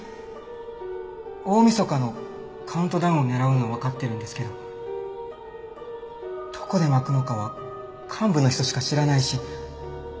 大みそかのカウントダウンを狙うのはわかってるんですけどどこで撒くのかは幹部の人しか知らないし。